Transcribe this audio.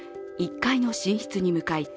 １階の寝室に向かい